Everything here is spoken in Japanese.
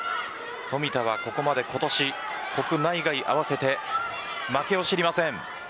冨田はここまで今年国内外合わせて負けを知りません。